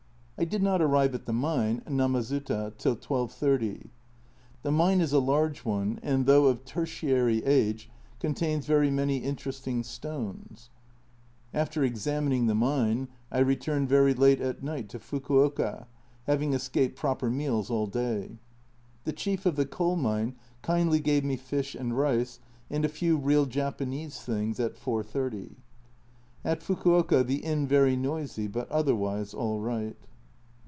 I did not arrive at the mine Namazuta till 12.30. The mine is a large one, and though of Tertiary age, contains very many interesting stones. (c 128) E 50 A Journal from Japan After examining the mine I returned very late at night to Fukuoka, having escaped proper meals all day. The chief of the coal mine kindly gave me fish and rice and a few real Japanese things at 4.30. At Fukuoka the inn very noisy, but otherwise all right.